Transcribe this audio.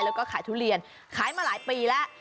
แล้วก็ขายทุเรียนขายมาหลายปีแล้ว